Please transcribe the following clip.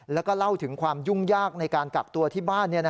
แล้วก็เล่าถึงความยุ่งยากในการกักตัวที่บ้าน